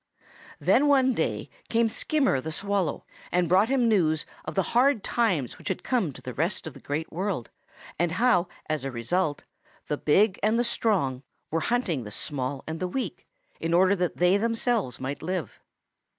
"Then one day came Skimmer the Swallow and brought him news of the hard times which had come to the rest of the Great World and how as a result the big and the strong were hunting the small and the weak in order that they themselves might live.